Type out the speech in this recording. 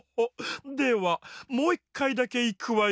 ではもういっかいだけいくわよ。